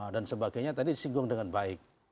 dan sebagainya tadi disinggung dengan baik